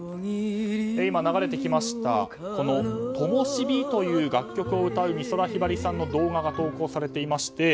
今、流れてきました「ともしび」という楽曲を歌う美空ひばりさんの動画が投稿されていまして